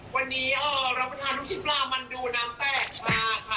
วันนี้รับทานนุ่มชิ้นปลามันดูน้ำแตกค่ะ